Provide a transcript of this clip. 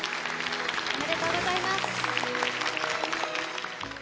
おめでとうございます。